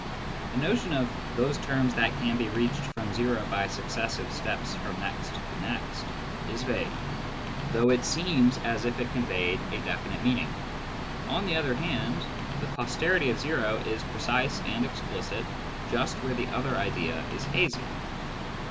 The notion of " those terms that can be reached from o by successive steps from next to next " is vague, though it seems as if it conveyed a definite meaning ; on the other hand, " the posterity of o " is precise and explicit just where the other idea is hazy.